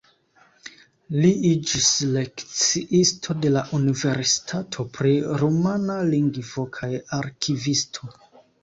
Li iĝis lekciisto de la universitato pri rumana lingvo kaj arkivisto.